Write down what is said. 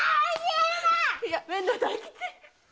やめな大吉！